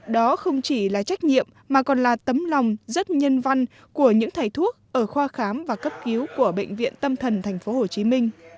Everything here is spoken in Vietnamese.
đó không chỉ là trách nhiệm mà còn là tấm lòng rất nhân văn của những thầy thuốc ở khoa khám và cấp cứu của bệnh viện tâm thần tp hcm